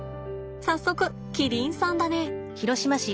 早速キリンさんだね。